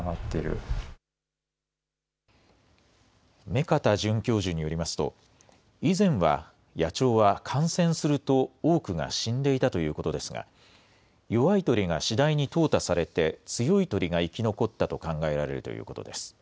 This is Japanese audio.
目堅准教授によりますと、以前は野鳥は感染すると多くが死んでいたということですが、弱い鳥が次第にとう汰されて、強い鳥が生き残ったと考えられるということです。